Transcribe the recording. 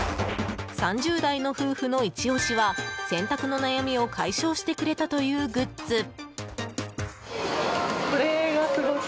３０代の夫婦の一押しは洗濯の悩みを解消してくれたというグッズ。